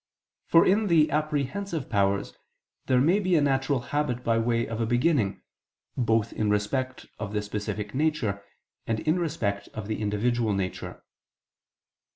For in the apprehensive powers there may be a natural habit by way of a beginning, both in respect of the specific nature, and in respect of the individual nature.